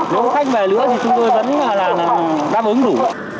nếu khách về nữa thì chúng tôi vẫn là đáp ứng đủ